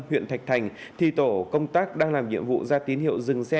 huyện thạch thành thì tổ công tác đang làm nhiệm vụ ra tín hiệu dừng xe